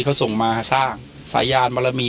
เขาส่งมาสร้างสายยานบรมี